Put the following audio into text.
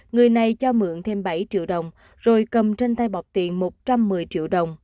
người này cho mượn thêm bảy triệu đồng rồi cầm trên tay bọt tiền một trăm một mươi triệu đồng